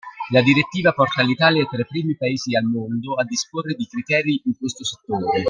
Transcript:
La direttiva porta l'Italia tra i primi Paesi al mondo a disporre di criteri in questo settore.